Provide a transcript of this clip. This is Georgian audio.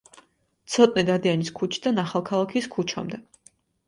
ცოტნე დადიანის ქუჩიდან ახალქალაქის ქუჩამდე.